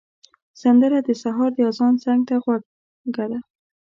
سندره د سهار د اذان څنګ ته خوږه ده